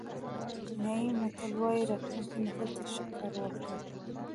چینایي متل وایي راتلونکي نسل ته ښه کار وکړئ.